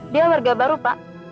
dia warga baru pak